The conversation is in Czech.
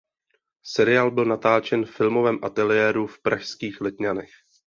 Seriál byl natáčen v filmovém ateliéru v pražských Letňanech.